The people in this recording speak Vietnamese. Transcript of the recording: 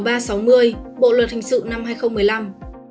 bộ luật hình sự năm hai nghìn một mươi năm